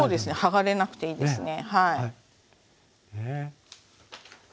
剥がれなくていいですね。